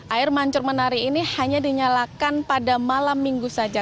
air mancur menari ini hanya dinyalakan pada malam minggu saja